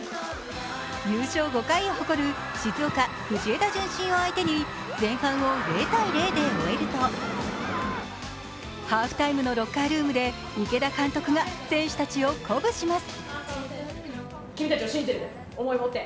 優勝５回を誇る静岡・藤枝順心を相手に、前半を０−０で終えるとハーフタイムのロッカールームで池田監督が選手たちを鼓舞します。